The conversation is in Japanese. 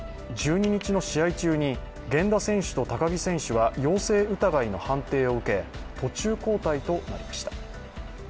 １２日の試合中に源田選手と高木選手は陽性疑いの判定を受け、途中交代となりました。